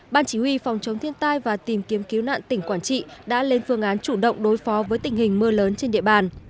ban chỉ huy phòng chống thiên tai và tìm kiếm cứu nạn tỉnh quảng trị đã lên phương án chủ động đối phó với tình hình mưa lớn trên địa bàn